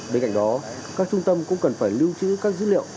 bên cạnh đó các trung tâm cũng cần phải lưu trữ các dữ liệu